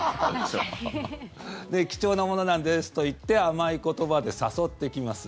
貴重なものなんですと言って甘い言葉で誘ってきます。